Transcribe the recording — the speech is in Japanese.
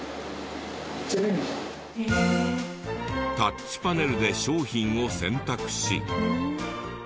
タッチパネルで商品を選択し。